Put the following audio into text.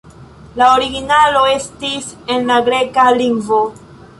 La originalo estis en la greka lingvo.